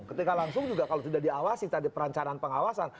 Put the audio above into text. ketika langsung juga kalau sudah diawasi tadi perencanaan pengawasan